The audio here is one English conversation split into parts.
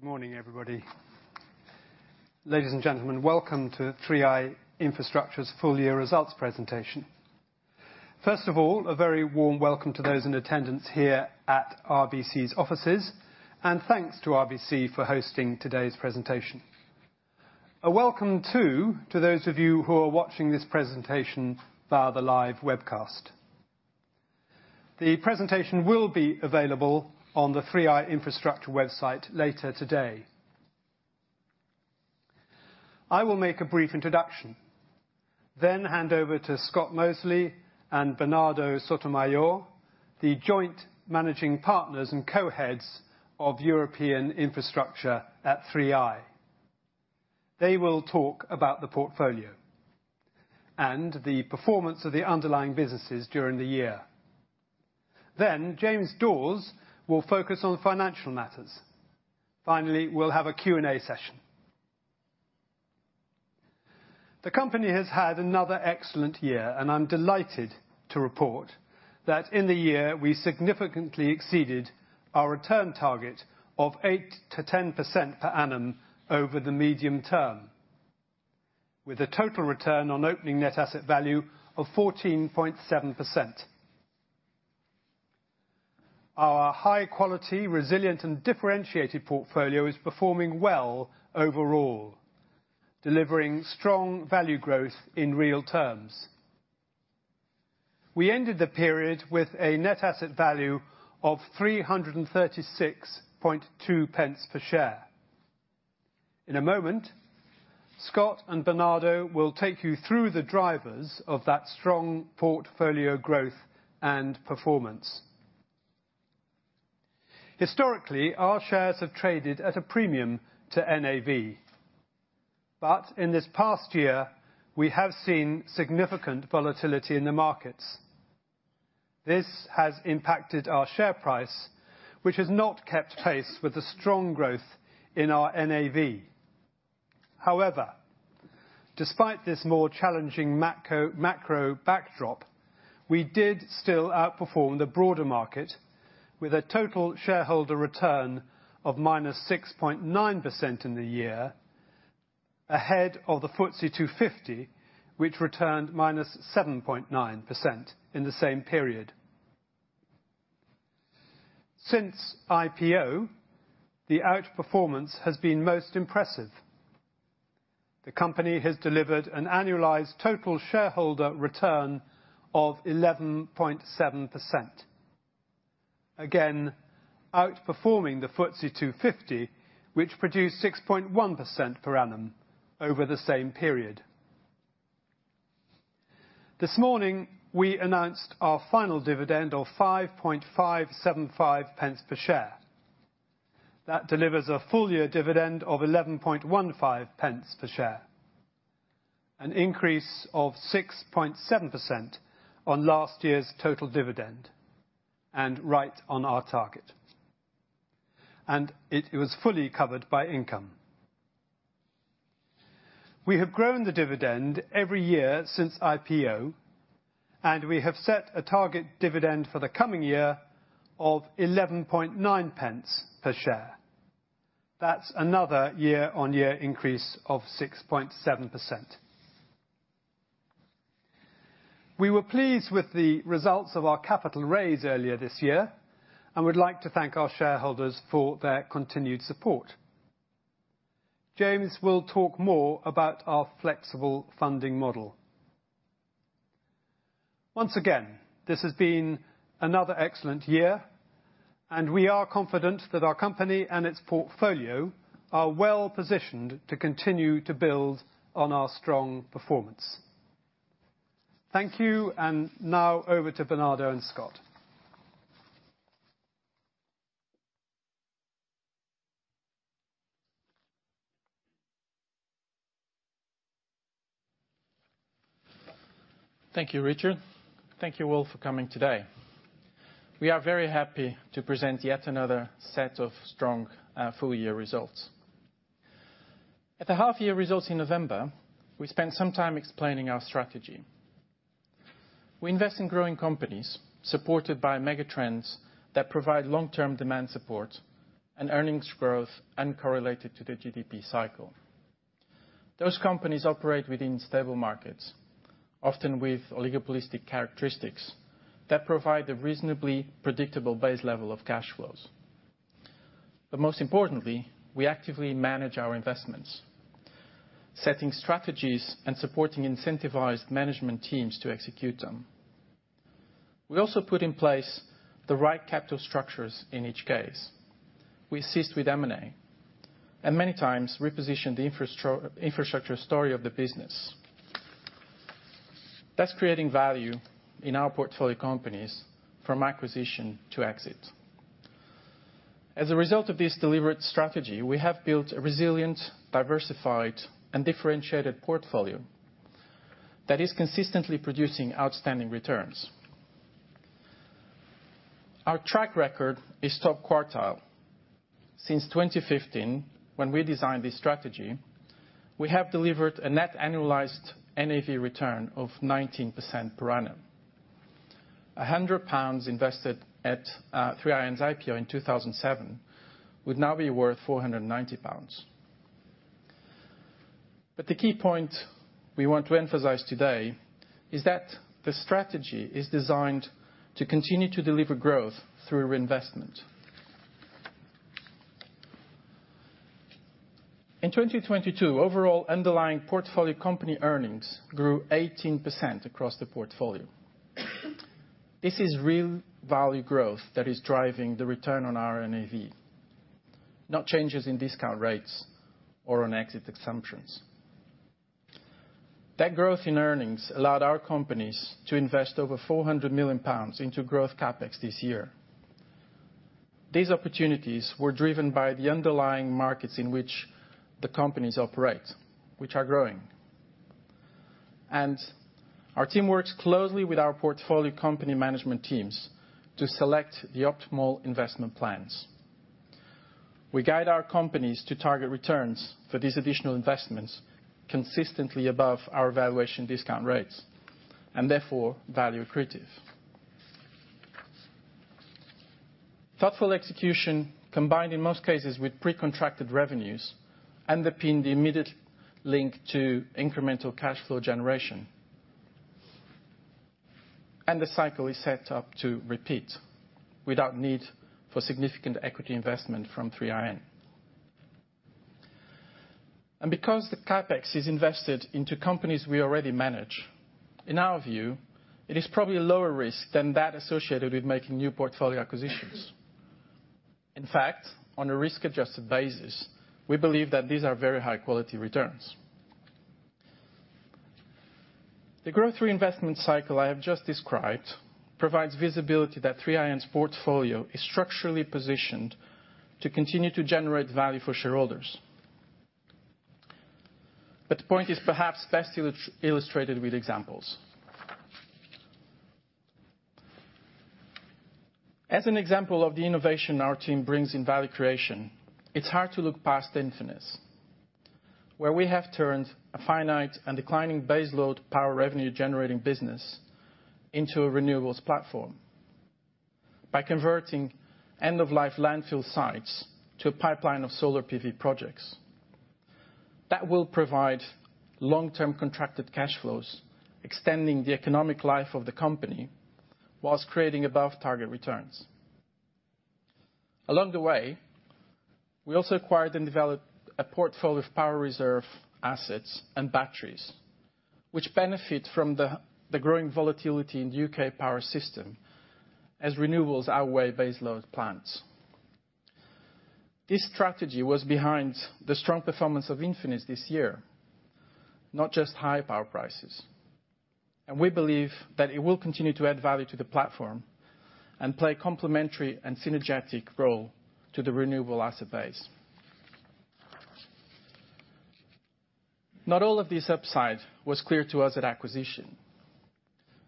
Good morning, everybody. Ladies and gentlemen, welcome to 3i Infrastructure's full year results presentation. First of all, a very warm welcome to those in attendance here at RBC's offices, and thanks to RBC for hosting today's presentation. A welcome, too, to those of you who are watching this presentation via the live webcast. The presentation will be available on the 3i Infrastructure website later today. I will make a brief introduction, then hand over to Scott Moseley and Bernardo Sottomayor, the joint managing partners and co-heads of European Infrastructure at 3i. James Dawes will focus on financial matters. We'll have a Q&A session. The company has had another excellent year, and I'm delighted to report that in the year, we significantly exceeded our return target of 8%-10% per annum over the medium term, with a total return on opening NAV of 14.7%. Our high-quality, resilient, and differentiated portfolio is performing well overall, delivering strong value growth in real terms. We ended the period with a NAV of 3.362 per share. In a moment, Scott and Bernardo will take you through the drivers of that strong portfolio growth and performance. Historically, our shares have traded at a premium to NAV. But in this past year, we have seen significant volatility in the markets. This has impacted our share price, which has not kept pace with the strong growth in our NAV. Despite this more challenging macro backdrop, we did still outperform the broader market with a total shareholder return of -6.9% in the year, ahead of the FTSE 250, which returned -7.9% in the same period. Since IPO, the outperformance has been most impressive. The company has delivered an annualized total shareholder return of 11.7%. Again, outperforming the FTSE 250, which produced 6.1% per annum over the same period. This morning, we announced our final dividend of 5.575 pence per share. That delivers a full year dividend of 11.15 pence per share, an increase of 6.7% on last year's total dividend, and right on our target. It was fully covered by income. We have grown the dividend every year since IPO, and we have set a target dividend for the coming year of 0.119 per share. That's another year-on-year increase of 6.7%. We were pleased with the results of our capital raise earlier this year, and we'd like to thank our shareholders for their continued support. James will talk more about our flexible funding model. Once again, this has been another excellent year, and we are confident that our company and its portfolio are well-positioned to continue to build on our strong performance. Thank you, and now over to Bernardo Sottomayor. Thank you, Richard. Thank you all for coming today. We are very happy to present yet another set of strong full year results. At the half year results in November, we spent some time explaining our strategy. We invest in growing companies supported by megatrends that provide long-term demand support and earnings growth uncorrelated to the GDP cycle. Those companies operate within stable markets, often with oligopolistic characteristics that provide a reasonably predictable base level of cash flows. Most importantly, we actively manage our investments, setting strategies and supporting incentivized management teams to execute them. We also put in place the right capital structures in each case. We assist with M&A, and many times reposition the infrastructure story of the business. That's creating value in our portfolio companies from acquisition to exit. As a result of this deliberate strategy, we have built a resilient, diversified, and differentiated portfolio that is consistently producing outstanding returns. Our track record is top quartile. Since 2015, when we designed this strategy, we have delivered a net annualized NAV return of 19% per annum. A hundred pounds invested at 3iN's IPO in 2007 would now be worth 490 pounds. The key point we want to emphasize today is that the strategy is designed to continue to deliver growth through reinvestment. In 2022, overall underlying portfolio company earnings grew 18% across the portfolio. This is real value growth that is driving the return on our NAV, not changes in discount rates or on exit assumptions. That growth in earnings allowed our companies to invest over 400 million pounds into growth CapEx this year. These opportunities were driven by the underlying markets in which the companies operate, which are growing. Our team works closely with our portfolio company management teams to select the optimal investment plans. We guide our companies to target returns for these additional investments consistently above our valuation discount rates, and therefore value accretive. Thoughtful execution, combined in most cases with pre-contracted revenues, underpin the immediate link to incremental cash flow generation. The cycle is set up to repeat without need for significant equity investment from 3iN. Because the CapEx is invested into companies we already manage, in our view, it is probably a lower risk than that associated with making new portfolio acquisitions. In fact, on a risk-adjusted basis, we believe that these are very high-quality returns. The growth reinvestment cycle I have just described provides visibility that 3iN's portfolio is structurally positioned to continue to generate value for shareholders. The point is perhaps best illustrated with examples. As an example of the innovation our team brings in value creation, it's hard to look past Infinis, where we have turned a finite and declining baseload power revenue generating business into a renewables platform by converting end-of-life landfill sites to a pipeline of solar PV projects. That will provide long-term contracted cash flows, extending the economic life of the company whilst creating above target returns. Along the way, we also acquired and developed a portfolio of power reserve assets and batteries, which benefit from the growing volatility in the U.K. power system as renewables outweigh baseload plants. This strategy was behind the strong performance of Infinis this year, not just high power prices. We believe that it will continue to add value to the platform and play a complementary and synergetic role to the renewable asset base. Not all of this upside was clear to us at acquisition,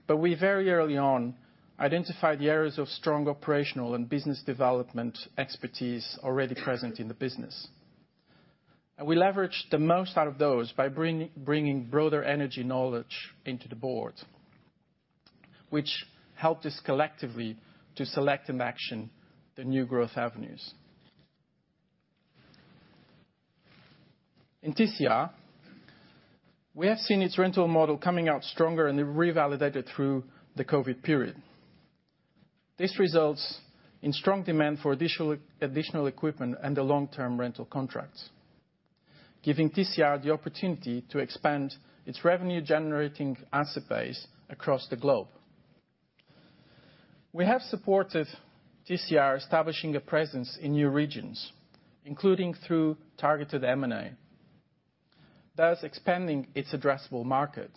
but we very early on identified the areas of strong operational and business development expertise already present in the business. We leveraged the most out of those by bringing broader energy knowledge into the board, which helped us collectively to select and action the new growth avenues. In TCR, we have seen its rental model coming out stronger and revalidated through the COVID period. This results in strong demand for additional equipment and the long-term rental contracts, giving TCR the opportunity to expand its revenue generating asset base across the globe. We have supported TCR establishing a presence in new regions, including through targeted M&A, thus expanding its addressable market.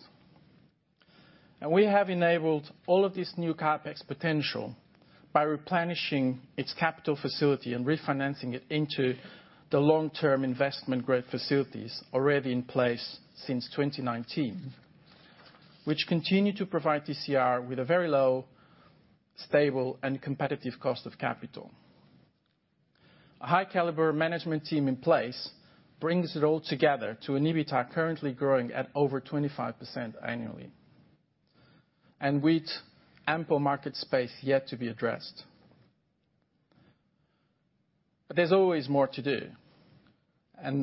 We have enabled all of this new CapEx potential by replenishing its capital facility and refinancing it into the long-term investment grade facilities already in place since 2019, which continue to provide TCR with a very low, stable, and competitive cost of capital. A high caliber management team in place brings it all together to an EBITA currently growing at over 25% annually, and with ample market space yet to be addressed. There's always more to do.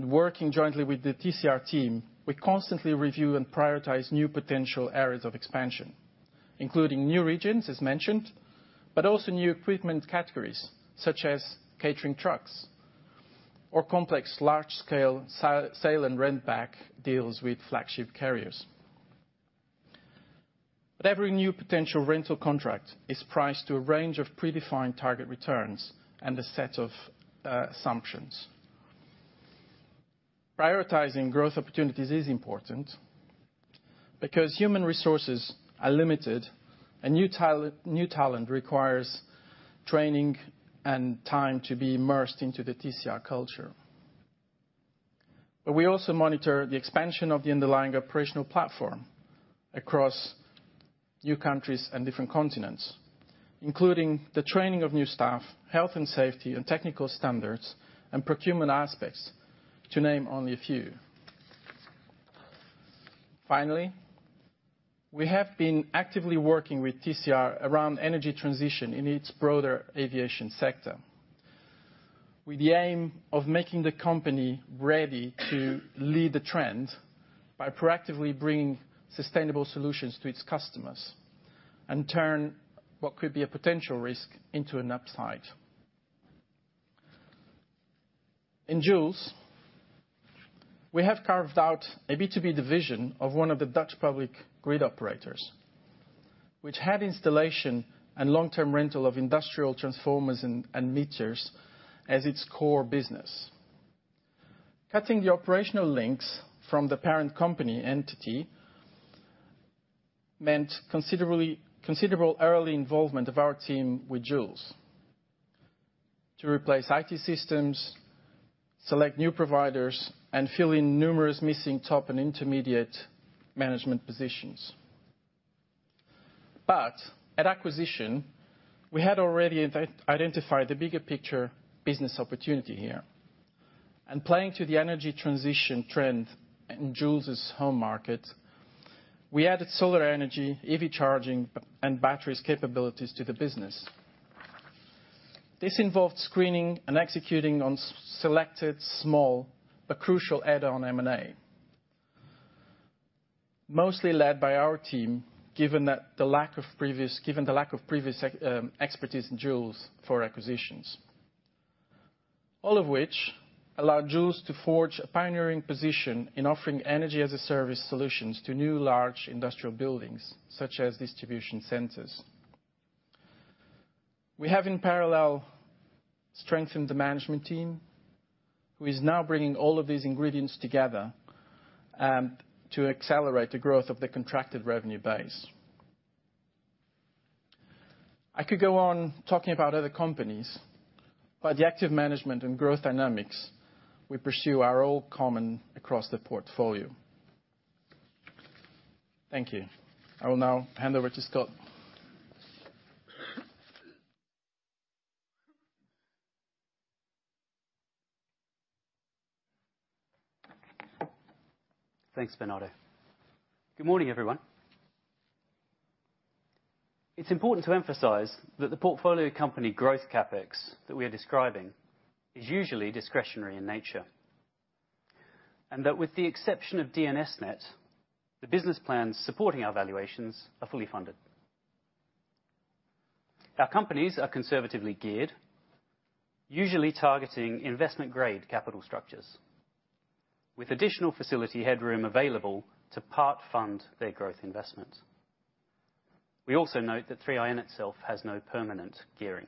Working jointly with the TCR team, we constantly review and prioritize new potential areas of expansion, including new regions, as mentioned, but also new equipment categories, such as catering trucks or complex large-scale sale and rent-back deals with flagship carriers. Every new potential rental contract is priced to a range of predefined target returns and a set of assumptions. Prioritizing growth opportunities is important because human resources are limited and new talent requires training and time to be immersed into the TCR culture. We also monitor the expansion of the underlying operational platform across new countries and different continents, including the training of new staff, health and safety and technical standards, and procurement aspects, to name only a few. Finally, we have been actively working with TCR around energy transition in its broader aviation sector, with the aim of making the company ready to lead the trend by proactively bringing sustainable solutions to its customers and turn what could be a potential risk into an upside. In Joulz, we have carved out a B2B division of one of the Dutch public grid operators, which had installation and long-term rental of industrial transformers and meters as its core business. Cutting the operational links from the parent company entity meant considerable early involvement of our team with Joulz to replace IT systems, select new providers, and fill in numerous missing top and intermediate management positions. At acquisition, we had already identified the bigger picture business opportunity here. Playing to the energy transition trend in Joulz' home market, we added solar energy, EV charging, and batteries capabilities to the business. This involved screening and executing on selected small but crucial add-on M&A. Mostly led by our team, given the lack of previous expertise in Joulz for acquisitions. All of which allowed Joulz to forge a pioneering position in offering energy-as-a-service solutions to new large industrial buildings, such as distribution centers. We have, in parallel, strengthened the management team, who is now bringing all of these ingredients together, to accelerate the growth of the contracted revenue base. I could go on talking about other companies, but the active management and growth dynamics we pursue are all common across the portfolio. Thank you. I will now hand over to Scott. Thanks, Bernardo. Good morning, everyone. It's important to emphasize that the portfolio company growth CapEx that we are describing is usually discretionary in nature. That with the exception of DNS:NET, the business plans supporting our valuations are fully funded. Our companies are conservatively geared, usually targeting investment-grade capital structures, with additional facility headroom available to part-fund their growth investments. We also note that 3iN itself has no permanent gearing.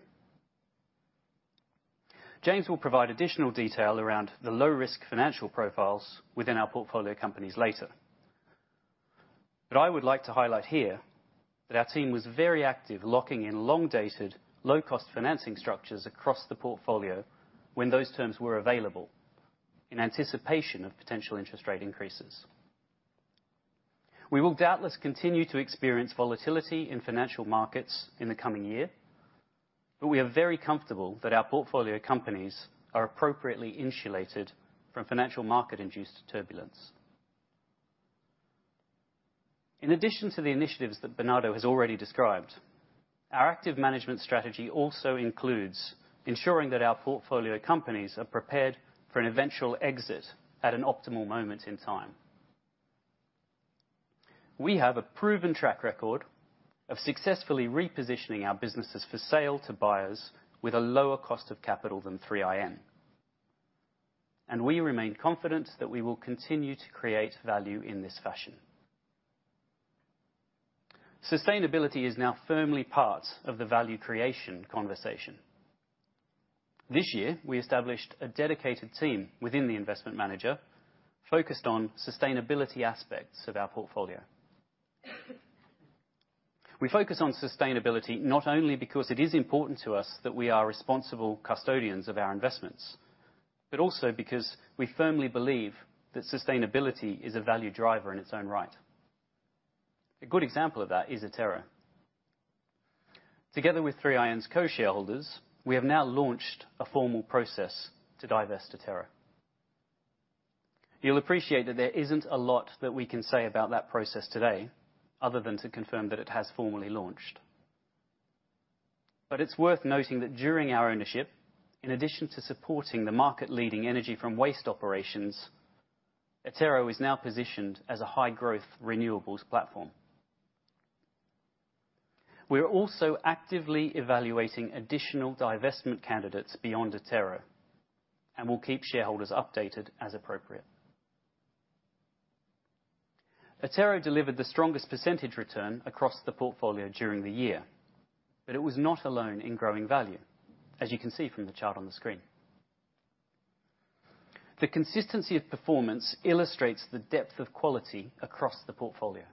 James will provide additional detail around the low-risk financial profiles within our portfolio companies later. I would like to highlight here that our team was very active locking in long-dated, low-cost financing structures across the portfolio when those terms were available in anticipation of potential interest rate increases. We will doubtless continue to experience volatility in financial markets in the coming year, but we are very comfortable that our portfolio companies are appropriately insulated from financial market-induced turbulence. In addition to the initiatives that Bernardo has already described, our active management strategy also includes ensuring that our portfolio companies are prepared for an eventual exit at an optimal moment in time. We remain confident that we will continue to create value in this fashion. Sustainability is now firmly part of the value creation conversation. This year, we established a dedicated team within the investment manager focused on sustainability aspects of our portfolio. We focus on sustainability not only because it is important to us that we are responsible custodians of our investments, but also because we firmly believe that sustainability is a value driver in its own right. A good example of that is Attero. Together with 3iN's co-shareholders, we have now launched a formal process to divest Attero. You'll appreciate that there isn't a lot that we can say about that process today, other than to confirm that it has formally launched. It's worth noting that during our ownership, in addition to supporting the market-leading energy from waste operations, Attero is now positioned as a high-growth renewables platform. We are also actively evaluating additional divestment candidates beyond Attero, and we'll keep shareholders updated as appropriate. Attero delivered the strongest percentage return across the portfolio during the year, but it was not alone in growing value, as you can see from the chart on the screen. The consistency of performance illustrates the depth of quality across the portfolio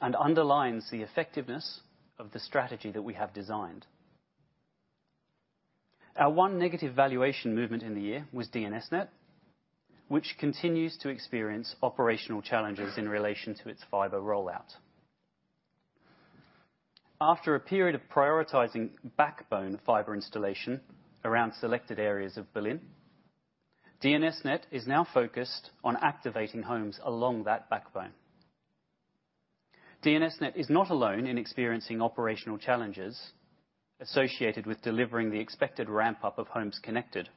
and underlines the effectiveness of the strategy that we have designed. Our one negative valuation movement in the year was DNS:NET, which continues to experience operational challenges in relation to its fiber rollout. After a period of prioritizing backbone fiber installation around selected areas of Berlin, DNS:NET is now focused on activating homes along that backbone. DNS:NET is not alone in experiencing operational challenges associated with delivering the expected ramp-up of homes connected.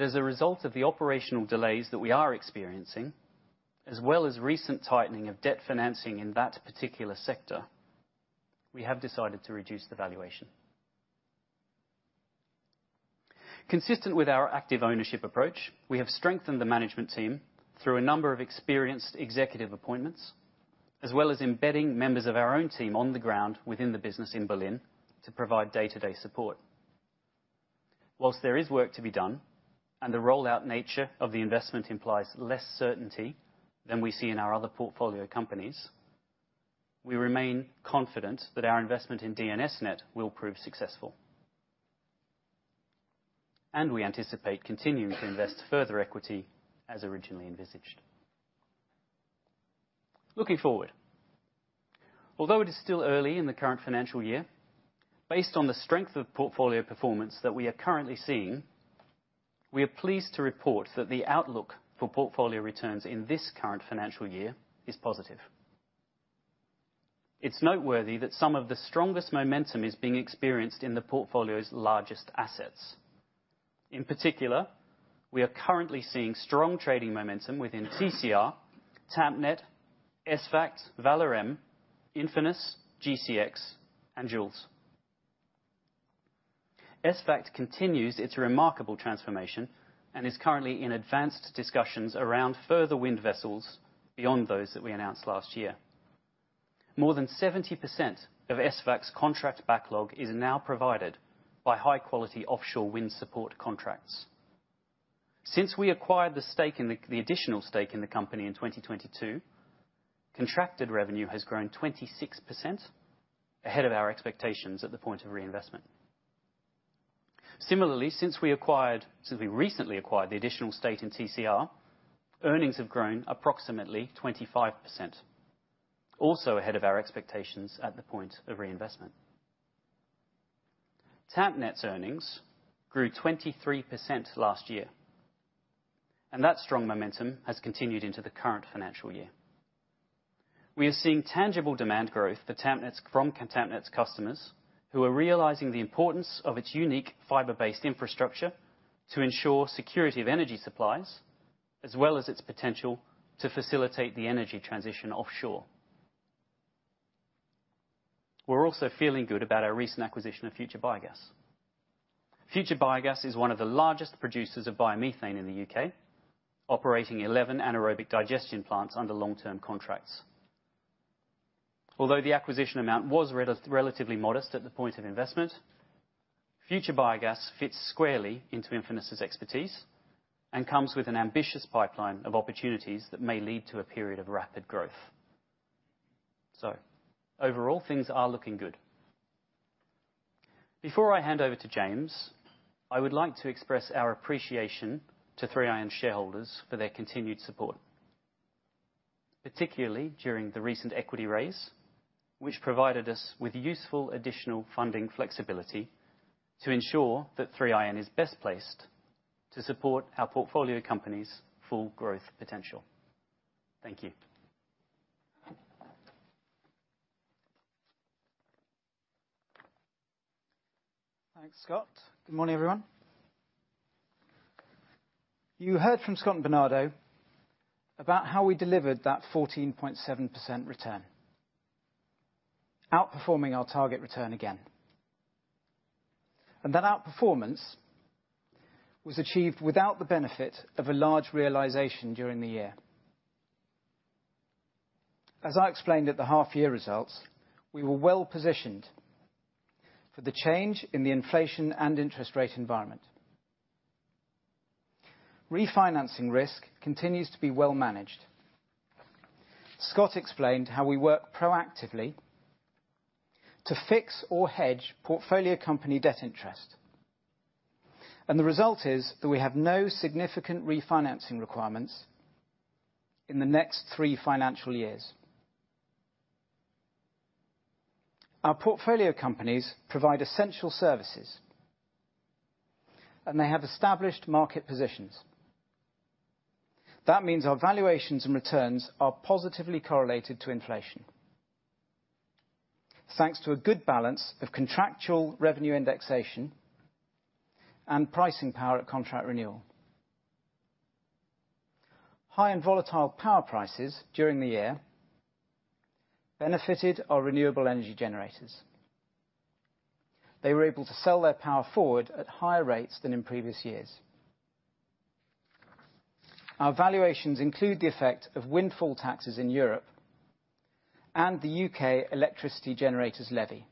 As a result of the operational delays that we are experiencing, as well as recent tightening of debt financing in that particular sector, we have decided to reduce the valuation. Consistent with our active ownership approach, we have strengthened the management team through a number of experienced executive appointments, as well as embedding members of our own team on the ground within the business in Berlin to provide day-to-day support. Whilst there is work to be done, and the rollout nature of the investment implies less certainty than we see in our other portfolio companies, we remain confident that our investment in DNS:NET will prove successful. We anticipate continuing to invest further equity as originally envisaged. Looking forward. Although it is still early in the current financial year, based on the strength of portfolio performance that we are currently seeing, we are pleased to report that the outlook for portfolio returns in this current financial year is positive. It's noteworthy that some of the strongest momentum is being experienced in the portfolio's largest assets. In particular, we are currently seeing strong trading momentum within TCR, Tampnet, ESVAGT, Valorem, Infinis, GCX, and Joulz. ESVAGT continues its remarkable transformation and is currently in advanced discussions around further wind vessels beyond those that we announced last year. More than 70% of ESVAGT's contract backlog is now provided by high-quality offshore wind support contracts. Since we acquired the additional stake in the company in 2022, contracted revenue has grown 26%, ahead of our expectations at the point of reinvestment. Similarly, since we recently acquired the additional stake in TCR, earnings have grown approximately 25%, also ahead of our expectations at the point of reinvestment. Tampnet's earnings grew 23% last year, That strong momentum has continued into the current financial year. We are seeing tangible demand growth from Tampnet's customers who are realizing the importance of its unique fiber-based infrastructure to ensure security of energy supplies, as well as its potential to facilitate the energy transition offshore. We're also feeling good about our recent acquisition of Future Biogas. Future Biogas is one of the largest producers of biomethane in the U.K., operating 11 anaerobic digestion plants under long-term contracts. Although the acquisition amount was relatively modest at the point of investment, Future Biogas fits squarely into Infinis' expertise and comes with an ambitious pipeline of opportunities that may lead to a period of rapid growth. Overall, things are looking good. Before I hand over to James, I would like to express our appreciation to 3iN shareholders for their continued support, particularly during the recent equity raise, which provided us with useful additional funding flexibility to ensure that 3iN is best placed to support our portfolio company's full growth potential. Thank you. Thanks, Scott. Good morning, everyone. You heard from Bernardo Sottomayor about how we delivered that 14.7% return, outperforming our target return again. That outperformance was achieved without the benefit of a large realization during the year. As I explained at the half-year results, we were well positioned for the change in the inflation and interest rate environment. Refinancing risk continues to be well managed. Scott explained how we work proactively to fix or hedge portfolio company debt interest. The result is that we have no significant refinancing requirements in the next 3 financial years. Our portfolio companies provide essential services, and they have established market positions. That means our valuations and returns are positively correlated to inflation, thanks to a good balance of contractual revenue indexation and pricing power at contract renewal. High-end volatile power prices during the year benefited our renewable energy generators. They were able to sell their power forward at higher rates than in previous years. Our valuations include the effect of windfall taxes in Europe and the UK Electricity Generator Levy.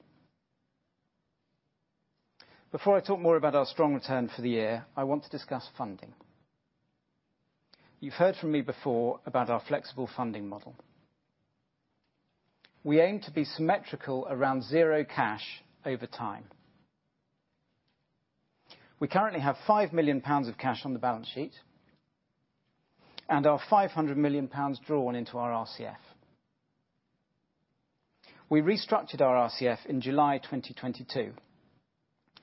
Before I talk more about our strong return for the year, I want to discuss funding. You've heard from me before about our flexible funding model. We aim to be symmetrical around zero cash over time. We currently have £5 million of cash on the balance sheet and our £500 million drawn into our RCF. We restructured our RCF in July 2022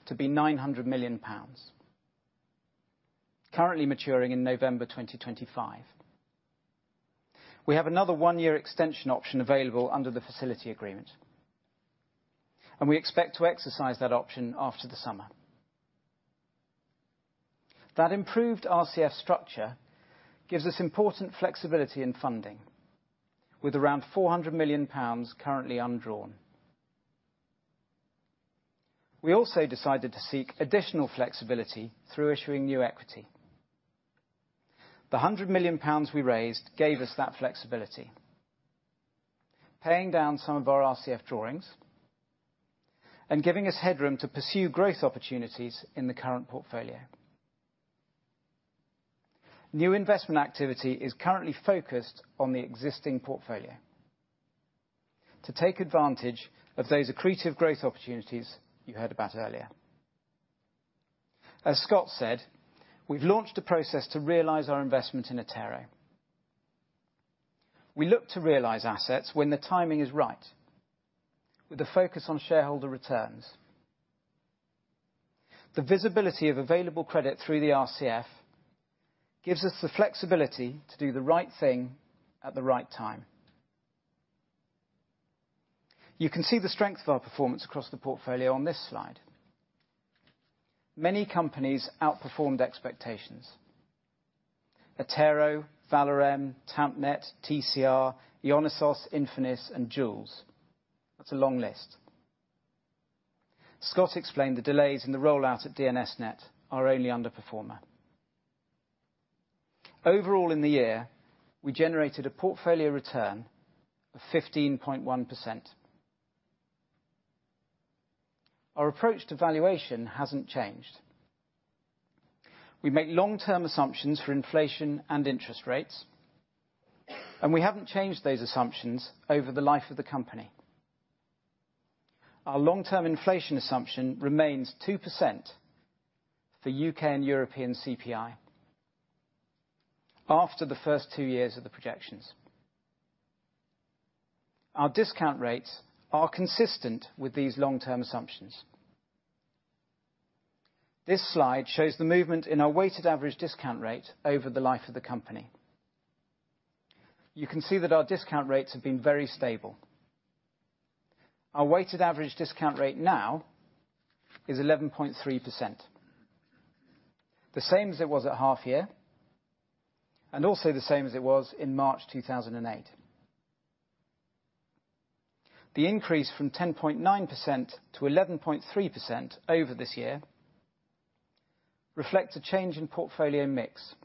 to be £900 million, currently maturing in November 2025. We have another one-year extension option available under the facility agreement, and we expect to exercise that option after the summer. That improved RCF structure gives us important flexibility in funding with around £400 million currently undrawn. We also decided to seek additional flexibility through issuing new equity. The 100 million pounds we raised gave us that flexibility, paying down some of our RCF drawings and giving us headroom to pursue growth opportunities in the current portfolio. New investment activity is currently focused on the existing portfolio to take advantage of those accretive growth opportunities you heard about earlier. As Scott said, we've launched a process to realize our investment in Attero. We look to realize assets when the timing is right with the focus on shareholder returns. The visibility of available credit through the RCF gives us the flexibility to do the right thing at the right time. You can see the strength of our performance across the portfolio on this slide. Many companies outperformed expectations. Attero, Valorem, Tampnet, TCR, Ionisos, Infinis and Joulz. That's a long list. Scott explained the delays in the rollout at DNS:NET are only underperformer. Overall in the year, we generated a portfolio return of 15.1%. Our approach to valuation hasn't changed. We make long-term assumptions for inflation and interest rates. We haven't changed those assumptions over the life of the company. Our long-term inflation assumption remains 2% for U.K. and European CPI after the first two years of the projections. Our discount rates are consistent with these long-term assumptions. This slide shows the movement in our weighted average discount rate over the life of the company. You can see that our discount rates have been very stable. Our weighted average discount rate now is 11.3%, the same as it was at half-year and also the same as it was in March 2008. The increase from 10.9% to 11.3% over this year reflects a change in portfolio mix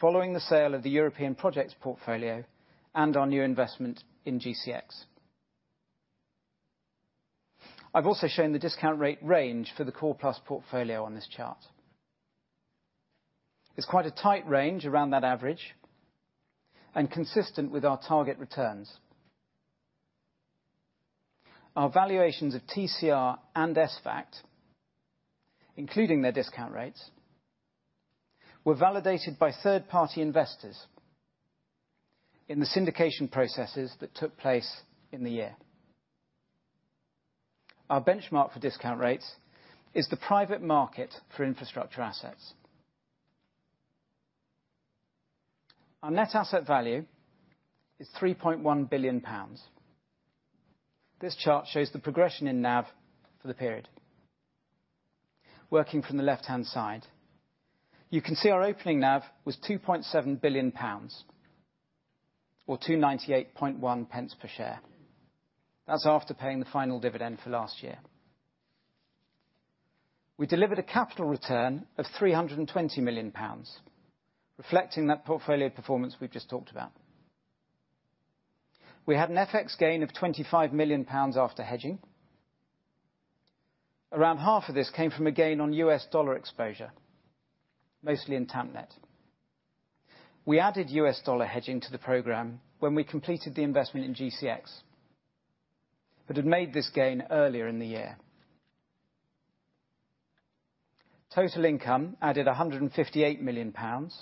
following the sale of the European projects portfolio and our new investment in GCX. I've also shown the discount rate range for the Core Plus portfolio on this chart. It's quite a tight range around that average and consistent with our target returns. Our valuations of TCR and ESVAGT, including their discount rates, were validated by third-party investors in the syndication processes that took place in the year. Our benchmark for discount rates is the private market for infrastructure assets. Our net asset value is 3.1 billion pounds. This chart shows the progression in NAV for the period. Working from the left-hand side, you can see our opening NAV was 2.7 billion pounds or 2.981 pounds per share. That's after paying the final dividend for last year. We delivered a capital return of 320 million pounds, reflecting that portfolio performance we've just talked about. We had an FX gain of 25 million pounds after hedging. Around half of this came from a gain on US dollar exposure, mostly in Tampnet. We added US dollar hedging to the program when we completed the investment in GCX, but had made this gain earlier in the year. Total income added 158 million pounds,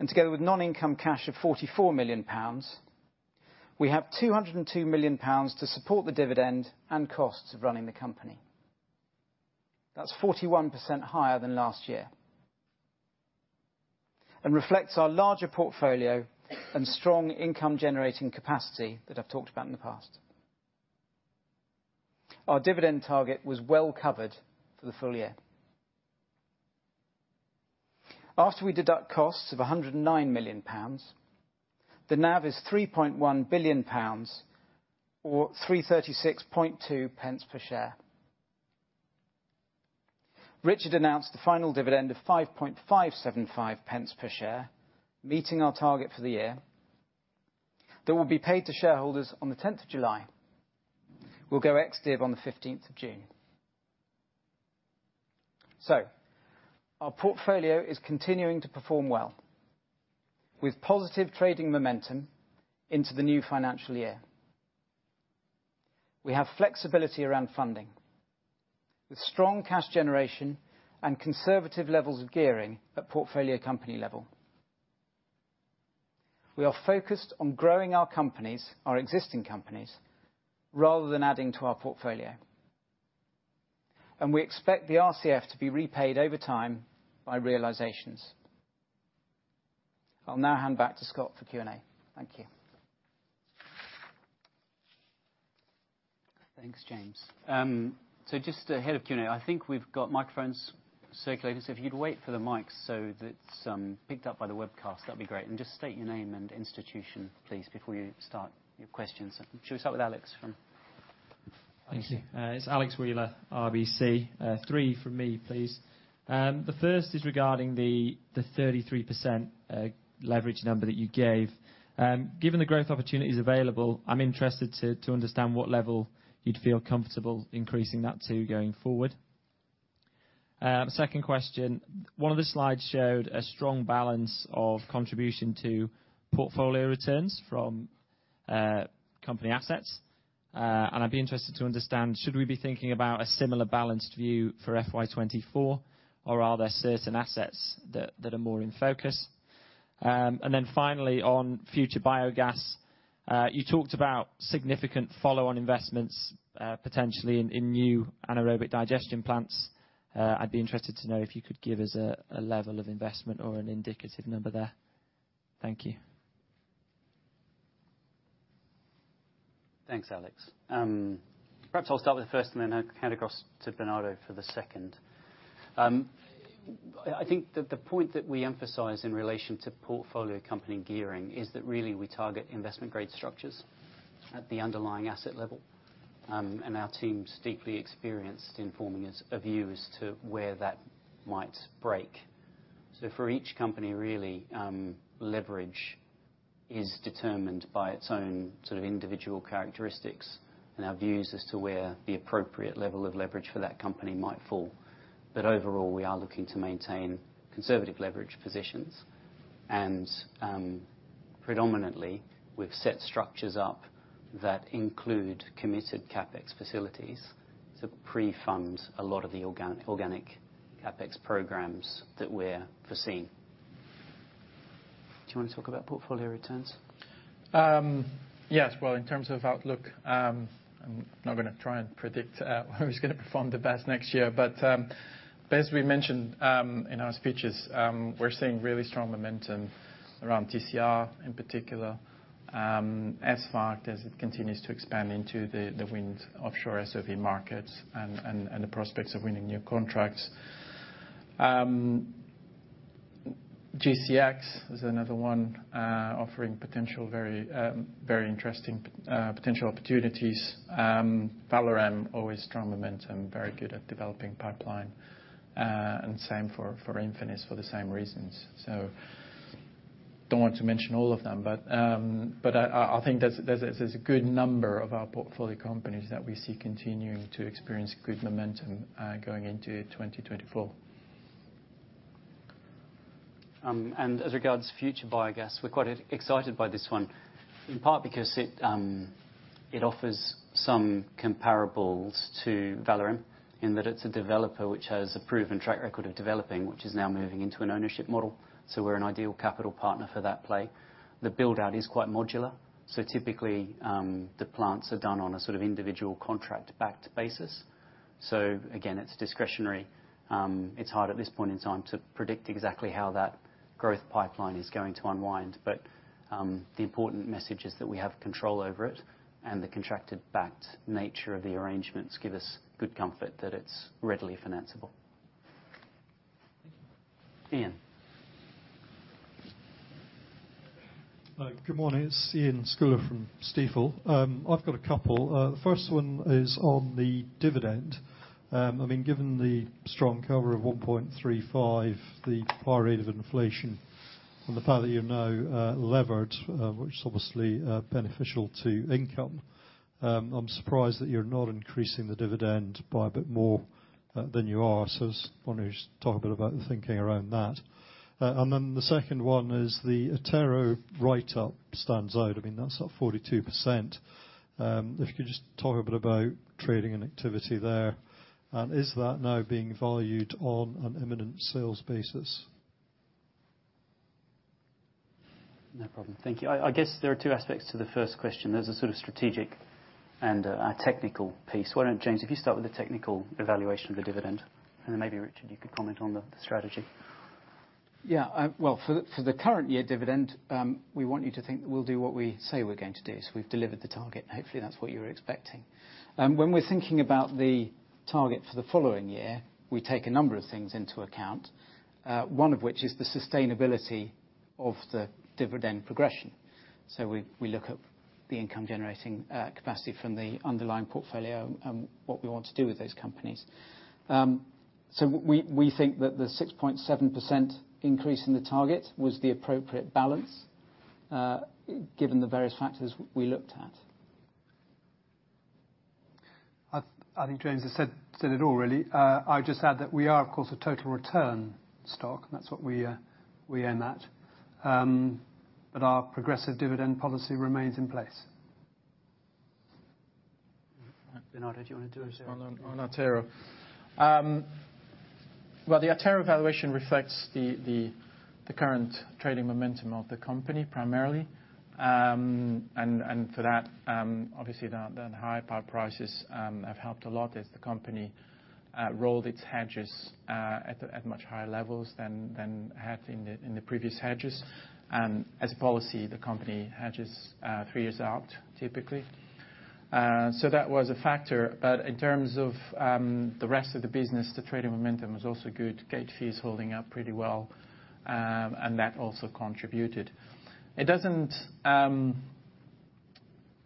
and together with non-income cash of 44 million pounds, we have 202 million pounds to support the dividend and costs of running the company. That's 41% higher than last year and reflects our larger portfolio and strong income generating capacity that I've talked about in the past. Our dividend target was well-covered for the full year. After we deduct costs of 109 million pounds, the NAV is 3.1 billion pounds or 336.2 pence per share. Richard announced the final dividend of 5.575 pence per share, meeting our target for the year. That will be paid to shareholders on July 10th. We'll go ex div on June 15th. Our portfolio is continuing to perform well with positive trading momentum into the new financial year. We have flexibility around funding, with strong cash generation and conservative levels of gearing at portfolio company level. We are focused on growing our companies, our existing companies, rather than adding to our portfolio. We expect the RCF to be repaid over time by realizations. I'll now hand back to Scott for Q&A. Thank you. Thanks, James. Just ahead of Q&A, I think we've got microphones circulating, so if you'd wait for the mic so that it's picked up by the webcast, that'd be great. Just state your name and institution, please, before you start your questions. Shall we start with Alex from RBC? Thank you. It's Alexander Wheeler, RBC. Three from me, please. The first is regarding the 33% leverage number that you gave. Given the growth opportunities available, I'm interested to understand what level you'd feel comfortable increasing that to going forward. The second question, one of the slides showed a strong balance of contribution to portfolio returns from company assets. I'd be interested to understand, should we be thinking about a similar balanced view for FY 2024, or are there certain assets that are more in focus? Finally, on Future Biogas, you talked about significant follow-on investments, potentially in new anaerobic digestion plants. I'd be interested to know if you could give us a level of investment or an indicative number there. Thank you. Thanks, Alex. Perhaps I'll start with the first and then hand across to Bernardo for the second. I think that the point that we emphasize in relation to portfolio company gearing is that really we target investment grade structures at the underlying asset level. Our team's deeply experienced in forming a view as to where that might break. For each company, really, leverage is determined by its own sort of individual characteristics and our views as to where the appropriate level of leverage for that company might fall. Overall, we are looking to maintain conservative leverage positions. Predominantly, we've set structures up that include committed CapEx facilities to pre-fund a lot of the organic CapEx programs that we're foreseeing. Do you wanna talk about portfolio returns? Yes. Well, in terms of outlook, I'm not gonna try and predict who's gonna perform the best next year. As we mentioned, in our speeches, we're seeing really strong momentum around TCR in particular. As far as it continues to expand into the wind offshore SOV markets and the prospects of winning new contracts. GCX is another one, offering very interesting potential opportunities. Valorem, always strong momentum, very good at developing pipeline. Same for Infinis for the same reasons. Don't want to mention all of them, but I think there's a good number of our portfolio companies that we see continuing to experience good momentum going into 2024. As regards Future Biogas, we're quite excited by this one, in part because it offers some comparables to Valorem in that it's a developer which has a proven track record of developing, which is now moving into an ownership model. We're an ideal capital partner for that play. The build-out is quite modular, so typically, the plants are done on a sort of individual contract-backed basis. Again, it's discretionary. It's hard at this point in time to predict exactly how that growth pipeline is going to unwind. The important message is that we have control over it, and the contracted backed nature of the arrangements give us good comfort that it's readily financeable. Thank you. Ian. Good morning. It's Iain Scouller from Stifel. I've got a couple. The first one is on the dividend. Given the strong cover of 1.35, the prior rate of inflation, and the fact that you're now levered, which is obviously beneficial to income, I'm surprised that you're not increasing the dividend by a bit more than you are. I was wondering if you could just talk a bit about the thinking around that. The second one is the Attero write-up stands out. That's up 42%. If you could just talk a bit about trading and activity there. Is that now being valued on an imminent sales basis? No problem. Thank you. I guess there are two aspects to the first question. There's a sort of strategic and a technical piece. Why don't, James, if you start with the technical evaluation of the dividend, and then maybe Richard, you could comment on the strategy. For the current year dividend, we want you to think that we'll do what we say we're going to do. We've delivered the target. Hopefully, that's what you're expecting. When we're thinking about the target for the following year, we take a number of things into account, one of which is the sustainability of the dividend progression. We look at the income generating capacity from the underlying portfolio and what we want to do with those companies. We think that the 6.7% increase in the target was the appropriate balance given the various factors we looked at. I think James has said it all really. I would just add that we are of course a total return stock. That's what we aim at. Our progressive dividend policy remains in place. Bernardo, did you want to do it? On Attero. Well, the Attero valuation reflects the current trading momentum of the company primarily. For that, obviously the higher power prices have helped a lot as the company rolled its hedges at much higher levels than it had in the previous hedges. As a policy, the company hedges three years out typically. That was a factor. In terms of the rest of the business, the trading momentum was also good. Gate fee is holding up pretty well. That also contributed. It doesn't.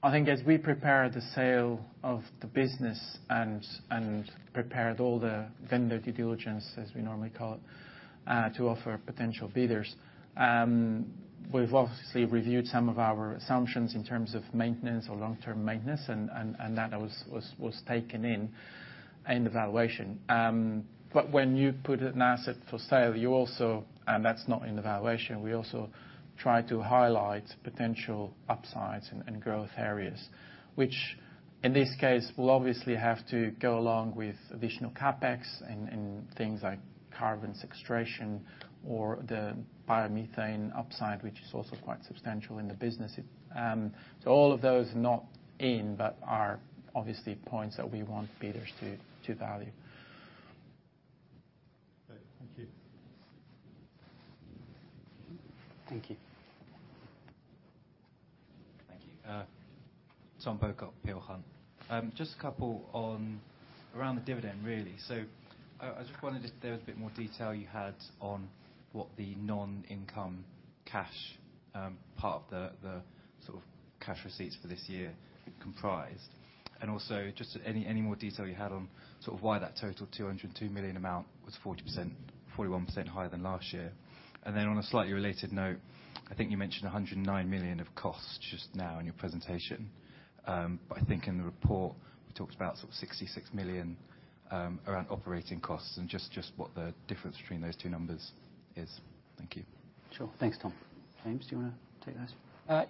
I think as we prepare the sale of the business and prepared all the vendor due diligence, as we normally call it, to offer potential bidders, we've obviously reviewed some of our assumptions in terms of maintenance or long-term maintenance, and that was taken in the valuation. When you put an asset for sale, and that's not in the valuation, we also try to highlight potential upsides and growth areas, which in this case will obviously have to go along with additional CapEx in things like carbon sequestration or the biomethane upside, which is also quite substantial in the business. All of those are not in, but are obviously points that we want bidders to value. Okay. Thank you. Thank you. Thank you. Tom Pocock, Peel Hunt. Just a couple on around the dividend really. I just wondered if there was a bit more detail you had on what the non-income cash part of the sort of cash receipts for this year comprised. Also just any more detail you had on sort of why that total 202 million amount was 40%, 41% higher than last year. Then on a slightly related note, I think you mentioned 109 million of costs just now in your presentation. I think in the report we talked about sort of 66 million around operating costs and just what the difference between those two numbers is. Thank you. Sure. Thanks, Tom. James, do you want to take those?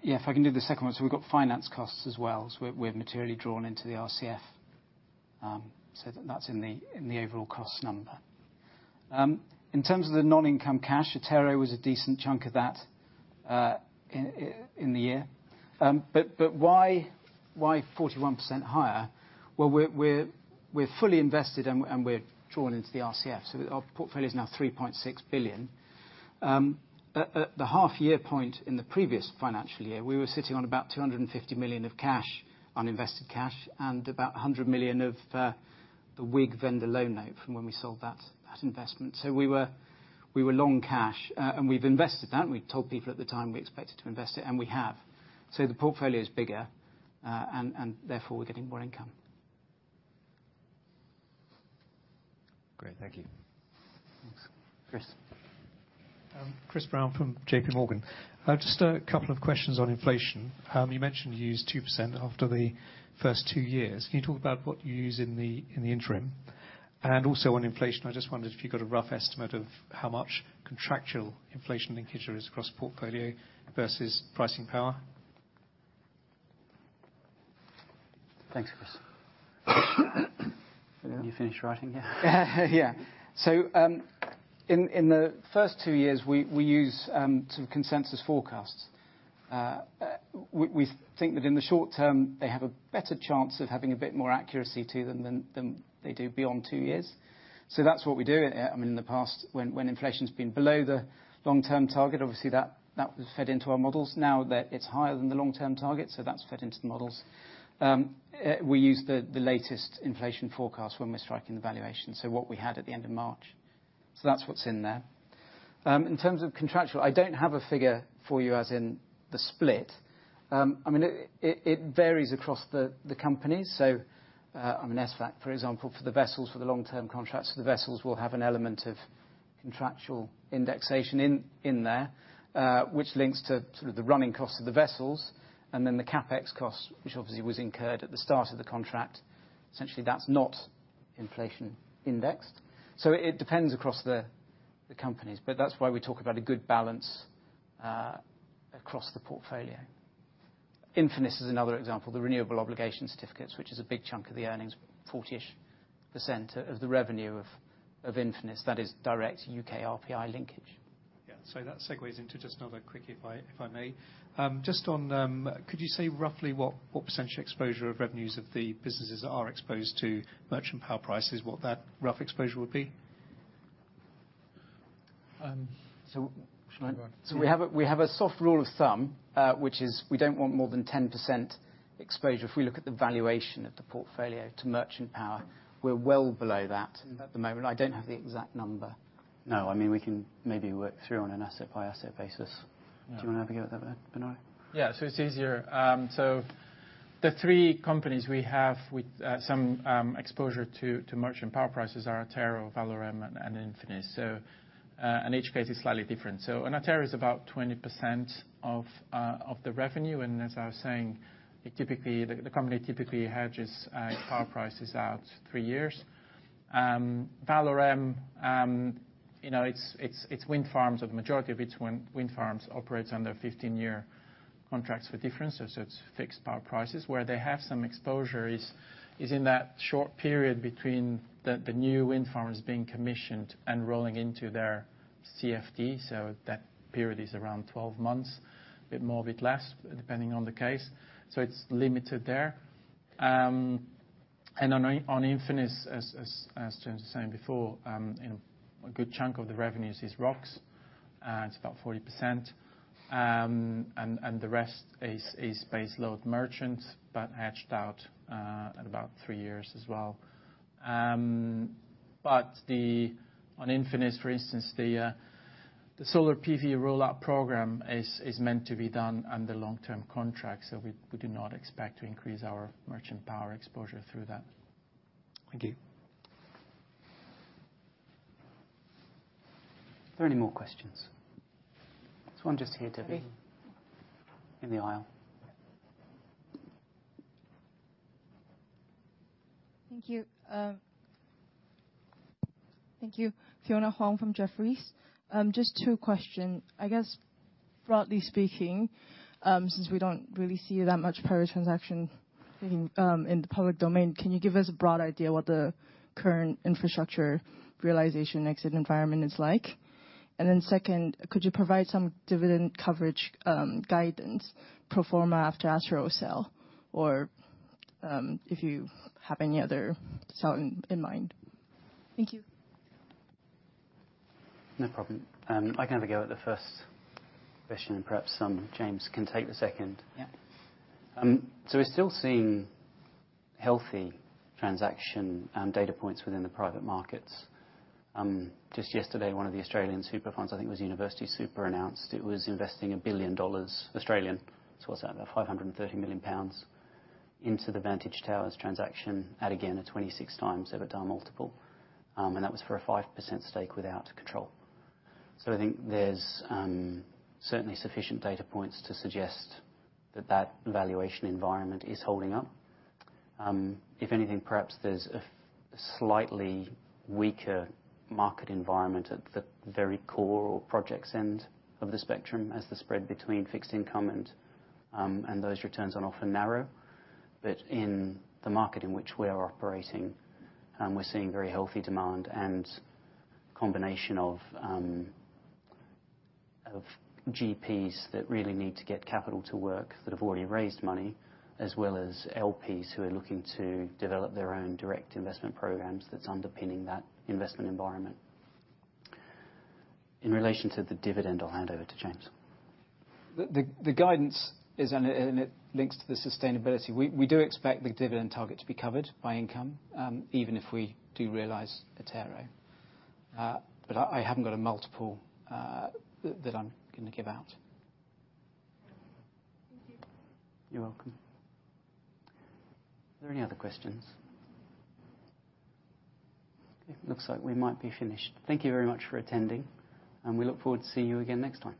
Yeah, if I can do the second one. We've got finance costs as well. We're materially drawn into the RCF. That's in the overall cost number. In terms of the non-income cash, Attero was a decent chunk of that in the year. Why 41% higher? Well, we're fully invested and we're drawn into the RCF, our portfolio's now 3.6 billion. At the half-year point in the previous financial year, we were sitting on about 250 million of cash, uninvested cash, and about 100 million of the WIG vendor loan note from when we sold that investment. We were long cash. We've invested that, and we told people at the time we expected to invest it, and we have. The portfolio is bigger, and therefore we're getting more income. Great. Thank you. Thanks. Chris. Christopher Brown from J.P. Morgan. I've just a couple of questions on inflation. You mentioned you use 2% after the first two years. Can you talk about what you use in the interim? Also on inflation, I just wondered if you got a rough estimate of how much contractual inflation linkage there is across the portfolio versus pricing power? Thanks, Chris. Can you finish writing? Yeah. Yeah. In the first two years, we use sort of consensus forecasts. We think that in the short term, they have a better chance of having a bit more accuracy to them than they do beyond two years. That's what we do. I mean, in the past when inflation's been below the long-term target, obviously that was fed into our models. Now that it's higher than the long-term target, that's fed into the models. We use the latest inflation forecast when we're striking the valuation. What we had at the end of March. That's what's in there. In terms of contractual, I don't have a figure for you as in the split. I mean, it varies across the companies. I mean, ESVAGT, for example, for the vessels, for the long-term contracts, the vessels will have an element of contractual indexation in there, which links to sort of the running cost of the vessels, and then the CapEx cost, which obviously was incurred at the start of the contract. Essentially, that's not inflation indexed. It depends across the companies, but that's why we talk about a good balance across the portfolio. Infinis is another example. The Renewables Obligation Certificates, which is a big chunk of the earnings, 40-ish% of the revenue of Infinis, that is direct U.K. RPI linkage. Yeah. That segues into just another quickie, if I may. Just on, could you say roughly what % exposure of revenues of the businesses are exposed to merchant power prices, what that rough exposure would be? should I Go on. We have a soft rule of thumb, which is we don't want more than 10% exposure, if we look at the valuation of the portfolio, to merchant power. We're well below that at the moment. I don't have the exact number. No, I mean, we can maybe work through on an asset-by-asset basis. Yeah. Do you want to have a go at that, Bernard? Yeah. It's easier. The three companies we have with some exposure to merchant power prices are Attero, Valorem, and Infinis. Each case is slightly different. In Attero is about 20% of the revenue. As I was saying, the company typically hedges power prices out 3 years. Valorem, you know, it's wind farms, with the majority of it is wind farms operates under 15-year contracts for difference. It's fixed power prices. Where they have some exposure is in that short period between the new wind farms being commissioned and rolling into their CFD. That period is around 12 months, a bit more, a bit less, depending on the case. It's limited there. And on Infinis, as James was saying before, you know, a good chunk of the revenues is ROCs, it's about 40%. And the rest is baseload merchant, but hedged out at about 3 years as well. But on Infinis, for instance, the solar PV rollout program is meant to be done under long-term contracts. We do not expect to increase our merchant power exposure through that. Thank you. Are there any more questions? There's one just here, Debbie. In the aisle. Thank you. Thank you. Fiona Huang from Jefferies. Just two question. I guess, broadly speaking, since we don't really see that much private transaction in the public domain, can you give us a broad idea what the current infrastructure realization exit environment is like? Then second, could you provide some dividend coverage guidance pro forma after Attero sale or, if you have any other sale in mind? Thank you. No problem. I can have a go at the first question and perhaps James can take the second. Yeah. We're still seeing healthy transaction data points within the private markets. Just yesterday, one of the Australian super funds, I think it was UniSuper, announced it was investing 1 billion dollars. What's that? About 530 million pounds into the Vantage Towers transaction at, again, a 26x EBITDA multiple. That was for a 5% stake without control. I think there's certainly sufficient data points to suggest that that valuation environment is holding up. If anything, perhaps there's a slightly weaker market environment at the very core or project's end of the spectrum as the spread between fixed income and those returns on offer narrow. In the market in which we are operating, we're seeing very healthy demand and combination of GPs that really need to get capital to work that have already raised money, as well as LPs who are looking to develop their own direct investment programs that's underpinning that investment environment. In relation to the dividend, I'll hand over to James. The guidance is and it links to the sustainability. We do expect the dividend target to be covered by income, even if we do realize Attero. I haven't got a multiple that I'm gonna give out. Thank you. You're welcome. Are there any other questions? Okay, looks like we might be finished. Thank you very much for attending. We look forward to seeing you again next time.